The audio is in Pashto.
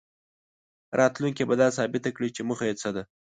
راتلونکې به دا ثابته کړي چې موخه یې څه ده.